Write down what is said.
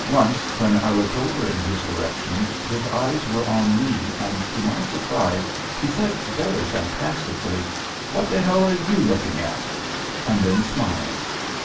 Once when I looked over in his direction his eyes were on me and to my surprise he said, very sarcastically, "What the hell are you looking at?" and then smiled.